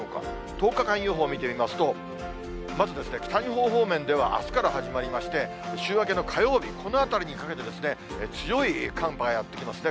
１０日間予報を見てみますと、まず、北日本方面ではあすから始まりまして、週明けの火曜日、このあたりにかけて、強い寒波がやって来ますね。